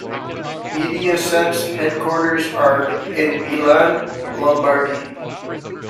Mediaset's headquarters are in Milan, Lombardy.